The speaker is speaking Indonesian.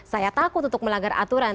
saya takut untuk melanggar aturan